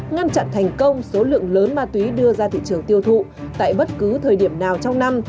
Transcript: ngăn chặn thành công số lượng lớn ma túy đưa ra thị trường tiêu thụ tại bất cứ thời điểm nào trong năm